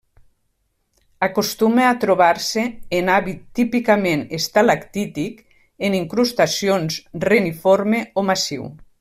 Acostuma a trobar-se en hàbit típicament estalactític, en incrustacions, reniforme o massiu.